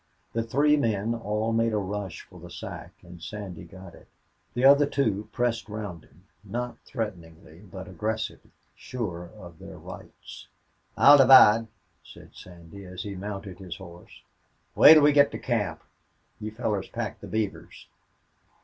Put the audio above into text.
The three men all made a rush for the sack and Sandy got it. The other two pressed round him, not threateningly, but aggressively, sure of their rights. "I'll divide," said Sandy, as he mounted his horse. "Wait till we make camp. You fellers pack the beavers."